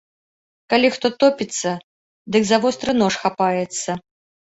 Калі хто топіцца, дык за востры нож хапаецца.